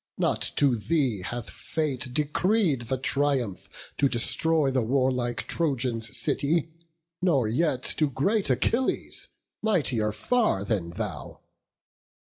not to thee Hath fate decreed the triumph to destroy The warlike Trojans' city; no, nor yet To great Achilles, mightier far than thou."